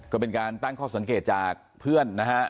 ก็เป็นการตั้งข้อสังเกตจากเพื่อนนะฮะ